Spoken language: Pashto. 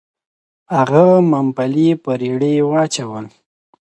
هغه ممپلي په رېړۍ واچول. .